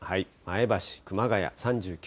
前橋、熊谷３９度。